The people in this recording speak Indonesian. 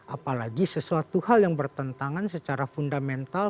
apalagi sesuatu hal yang bertentangan secara fundamental